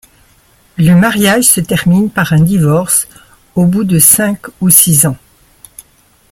Le mariage se termine par un divorce au bout de cinq ou six ans.